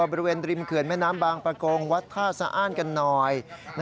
บริเวณริมเขื่อนแม่น้ำบางประกงวัดท่าสะอ้านกันหน่อย